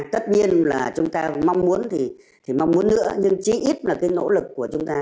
tất nhiên là chúng ta mong muốn thì mong muốn nữa nhưng chỉ ít là cái nỗ lực của chúng ta